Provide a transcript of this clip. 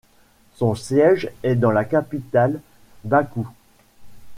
Son siège est dans la capitale Bakou.